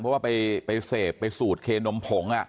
เพราะว่าไปเสพไปสูดเคนมผง